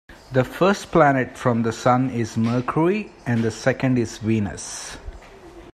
The first planet from the sun is Mercury, and the second is Venus